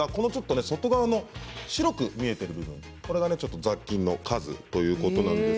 外側の白く見えている部分雑菌の数ということです。